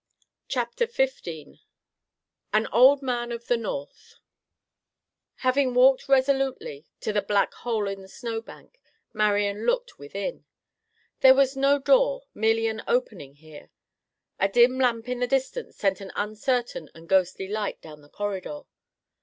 CHAPTER XV AN OLD MAN OF THE NORTH Having walked resolutely to the black hole in the snow bank, Marian looked within. There was no door; merely an opening here. A dim lamp in the distance sent an uncertain and ghostly light down the corridor.